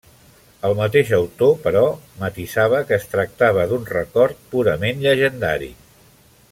El mateix autor, però, matisava que es tractava d'un record purament llegendari.